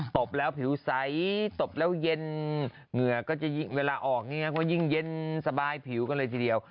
บแล้วผิวใสตบแล้วเย็นเหงื่อก็จะยิ่งเวลาออกเนี่ยก็ยิ่งเย็นสบายผิวกันเลยทีเดียว